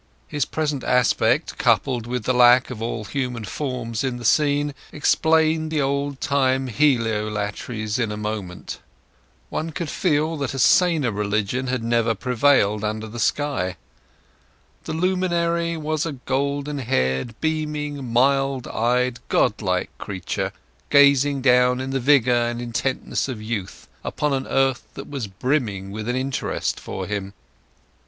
His present aspect, coupled with the lack of all human forms in the scene, explained the old time heliolatries in a moment. One could feel that a saner religion had never prevailed under the sky. The luminary was a golden haired, beaming, mild eyed, God like creature, gazing down in the vigour and intentness of youth upon an earth that was brimming with interest for him.